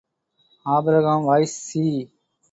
Abraham voice, C.